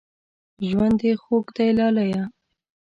ژوند دې خوږ دی لالیه